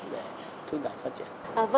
để thúc đẩy phát triển